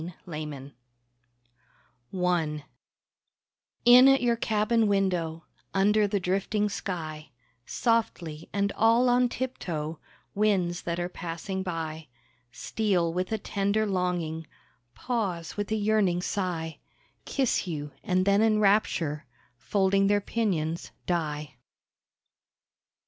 A SEA CYCLE I In at your cabin window, Under the drifting sky, Softly, and all on tiptoe Winds that are passing by Steal with a tender longing, Pause, with a yearning sigh, Kiss you—and then in rapture Folding their pinions die.